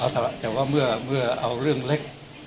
แต่เมื่อเราจะมีเรื่องเล็ก